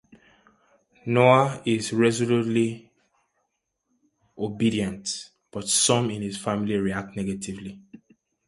Noah is resolutely obedient, but some in his family react negatively.